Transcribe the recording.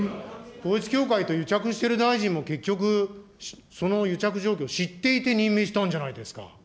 統一教会と癒着している大臣も、結局、その癒着状況知っていて任命したんじゃないですか。